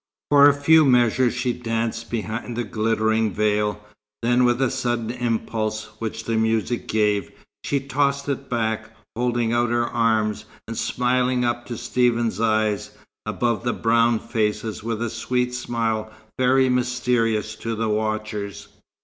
For a few measures she danced behind the glittering veil, then with a sudden impulse which the music gave, she tossed it back, holding out her arms, and smiling up to Stephen's eyes, above the brown faces, with a sweet smile very mysterious to the watchers.